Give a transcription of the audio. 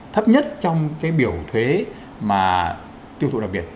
thấp nhất trong cái biểu thuế mà tiêu thụ đặc biệt